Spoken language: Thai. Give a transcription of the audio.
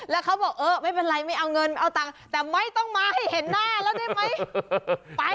แล้วเขาบอกเออไม่เป็นไรไม่เอาเงินเอาตังค์แต่ไม่ต้องมาให้เห็นหน้าแล้วได้ไหม